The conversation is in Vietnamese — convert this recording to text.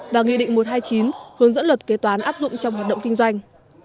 và nghị định một trăm hai mươi chín hướng dẫn luật kế toán áp dụng trong hoạt động kinh doanh